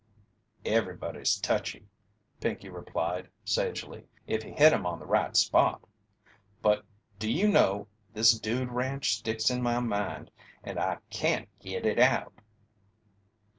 "Everybody's touchy," Pinkey replied, sagely, "if you hit 'em on the right spot. But, do you know, this dude ranch sticks in my mind, and I can't git it out."